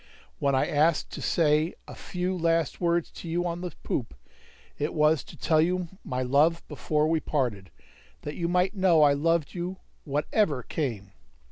When I asked to say a few last words to you on the poop, it was to tell you my love before we parted, that you might know I loved you whatever came.